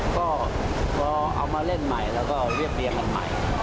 ก็พอเอามาเล่นใหม่แล้วก็เรียบเรียงกันใหม่